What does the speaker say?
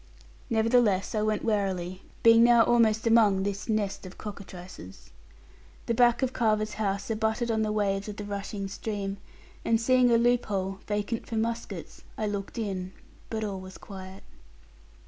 Nevertheless, I went warily, being now almost among this nest of cockatrices. The back of Carver's house abutted on the waves of the rushing stream; and seeing a loop hole, vacant for muskets, I looked in, but all was quiet.